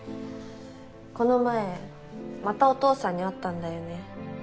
この前またお父さんに会ったんだよね。